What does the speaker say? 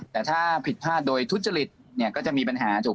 แต่ถ้าผิดพลาดโดยทุจริตก็จะมีปัญหา